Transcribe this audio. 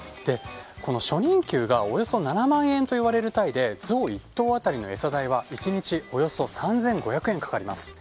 初任給がおよそ７万円といわれるタイでゾウ１頭当たりの餌代は１日およそ３５００円かかります。